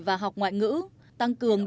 và học ngoại ngữ tăng cường